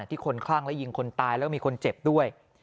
คนคลั่งและยิงคนตายแล้วก็มีคนเจ็บด้วย